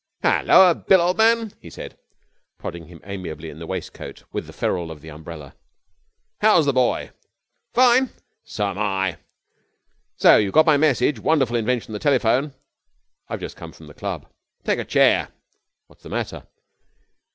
'Halloa, Bill, old man,' he said, prodding him amiably in the waistcoat with the ferrule of the umbrella. 'How's the boy? Fine! So'm I. So you got my message? Wonderful invention, the telephone.' 'I've just come from the club.' 'Take a chair.' 'What's the matter?'